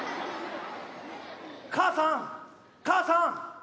母さん母さん！